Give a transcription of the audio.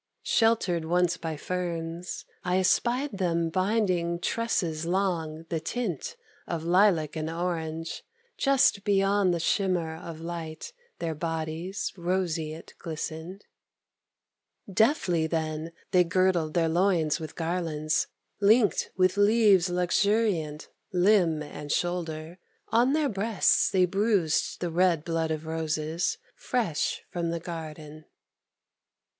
Sheltered once by ferns I espied them binding Tresses long, the tint of lilac and orange; Just beyond the shimmer of light their bodies Roseate glistened; Deftly, then, they girdled their loins with garlands, Linked with leaves luxuriant limb and shoulder; On their breasts they bruised the red blood of roses Fresh from the garden.